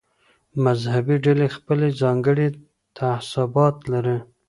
مذهبي ډلې خپل ځانګړي تعصبات لري.